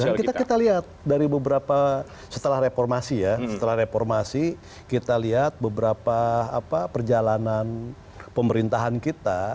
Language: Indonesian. kita lihat dari beberapa setelah reformasi ya setelah reformasi kita lihat beberapa perjalanan pemerintahan kita